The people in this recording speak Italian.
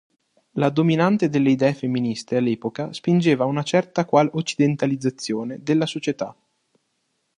La dominante delle idee femministe all'epoca spingeva a una certa qual occidentalizzazione della società.